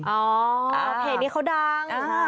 เพจนี้เขาดัง